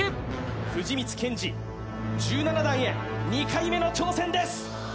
藤光謙司１７段へ２回目の挑戦です